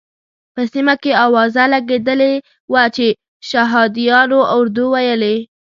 په سیمه کې اوازه لګېدلې وه چې شهادیانو اردو ویلې.